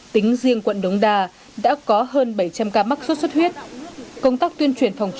tính riêng quận đống đa đã có hơn bảy trăm linh ca mắc xuất xuất huyết